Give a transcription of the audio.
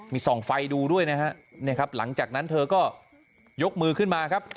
มีส่องไฟดูด้วยนะฮะเนี่ยครับหลังจากนั้นเธอก็ยกมือขึ้นมาครับ